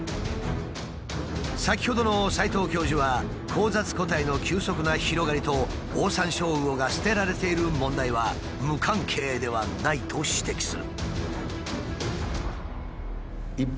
先ほどの齊藤教授は交雑個体の急速な広がりとオオサンショウウオが捨てられている問題は無関係ではないと指摘する。